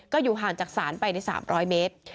ก็อยู่ห่างจากศาลไปใน๓๐๐เมตร